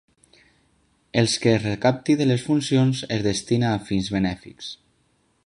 Els que es recapti de les funcions es destina a fins benèfics.